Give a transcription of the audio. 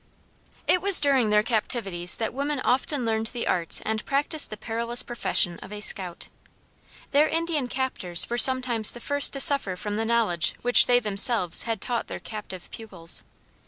It was during their captivities that women often learned the arts and practiced the perilous profession of a scout. Their Indian captors were sometimes the first to suffer from the knowledge which they themselves had taught their captive pupils.